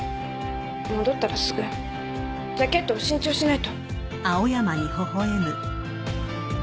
戻ったらすぐジャケットを新調しないと。